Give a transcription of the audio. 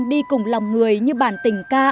đi cùng lòng người như bản tình ca